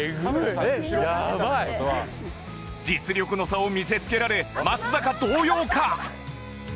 実力の差を見せつけられ松坂動揺か？